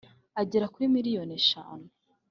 agera kuri millioni eshanu,